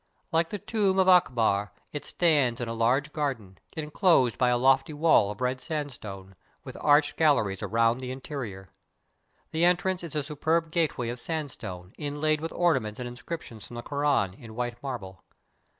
Like the tomb of Akbar, it stands in a large garden, inclosed by a lofty wall of red sandstone, with arched galleries around the interior. The entrance is a superb gateway of sandstone, inlaid with ornaments and inscriptions from the Koran, in white marble.